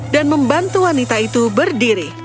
dan membantu wanita itu berdiri